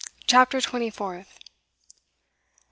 CHAPTER TWENTY FOURTH.